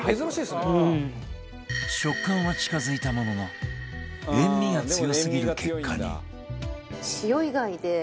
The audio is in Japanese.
食感は近付いたものの塩味が強すぎる結果に